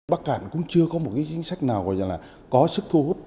bắc cạn cũng chưa có một chính sách nào gọi là có sức thu